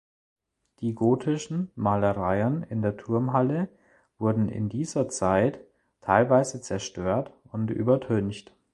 Die gotischen Malereien in der Turmhalle wurden in dieser Zeit teilweise zerstört und übertüncht.